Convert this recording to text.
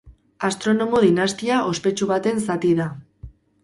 Astronomo dinastia ospetsu baten zati da.